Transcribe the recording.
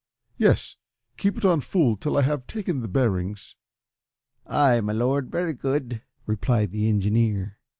Yes, keep it on full till I have taken the bearings." "Ay, my Lord, very good," replied the engineer.